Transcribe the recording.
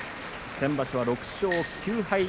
先場所は６勝９敗。